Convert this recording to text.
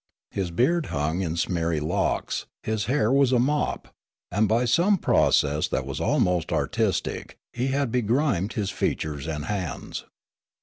His beard hung in smeary locks, his hair was a mop, and by some pro cess that was almost artistic he had begrimed his feat ures and hands.